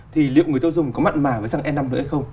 thì liệu người tiêu dùng có mặn mà với xăng e năm r hay không